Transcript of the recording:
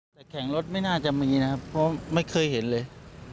แต่แข่งรถไม่น่าจะมีนะครับเพราะไม่เคยเห็นเลย